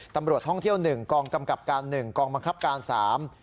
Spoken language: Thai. ตำรวจท่องเที่ยวหนึ่งกองกำกับการหนึ่งกองบังคับการสาม